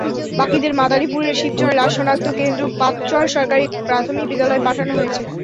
বাকিদের মাদারীপুরের শিবচরে লাশ শনাক্ত কেন্দ্র পাচ্চর সরকারি প্রাথমিক বিদ্যালয়ে পাঠানো হয়েছে।